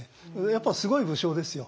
やっぱすごい武将ですよ。